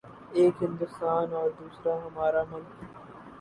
:ایک ہندوستان اوردوسرا ہمارا ملک۔